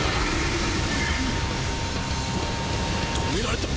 止められた？